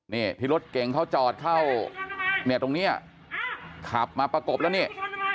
นี่ที่รถเก่งเขาจอดเข้าเนี่ยตรงนี้ขับมาประกบแล้วนี่